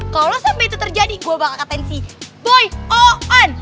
kalau sampe itu terjadi gue bakal katain si boy oon